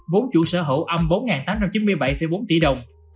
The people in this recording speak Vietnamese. vốn chủ sở hữu âm bốn tám trăm chín mươi bảy bốn tỷ đồng